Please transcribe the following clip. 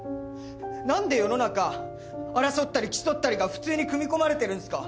なんで世の中争ったり競ったりが普通に組み込まれてるんすか？